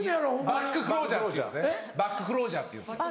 バッグ・クロージャーっていうんですよ。